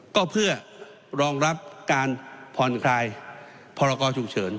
ก็เพื่อรองรับการผ่อนคลายพรกรฉุกเฉิน